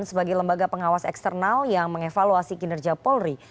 sebagai lembaga pengawas eksternal yang mengevaluasi kinerja polri